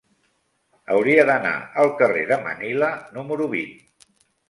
Hauria d'anar al carrer de Manila número vint.